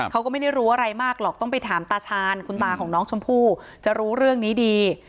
เขาก็ไม่ได้รู้อะไรมากหรอกต้องไปถามตาชาญคุณตาของน้องชมพู่จะรู้เรื่องนี้ดี